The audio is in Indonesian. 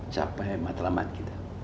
capai matlamat kita